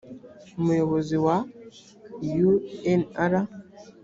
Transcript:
umuyobozi wa unr